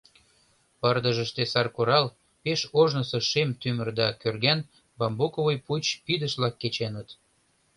Пырдыжыште саркурал, пеш ожнысо шем тӱмыр да кӧрган бамбуковый пуч пидыш-влак кеченыт.